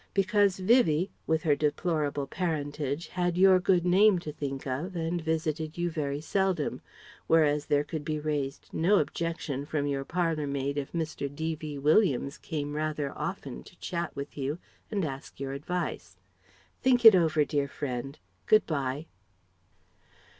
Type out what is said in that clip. Because Vivie, with her deplorable parentage, had your good name to think of, and visited you very seldom; whereas there could be raised no objection from your parlour maid if Mr. D.V. Williams came rather often to chat with you and ask your advice. Think it over, dear friend Good bye."